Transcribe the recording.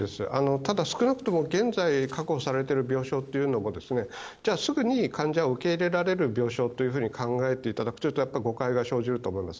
ただ少なくとも現在確保されている病床というのもじゃあ、すぐに患者を受け入れられる病床と考えていただくと誤解が生じると思います。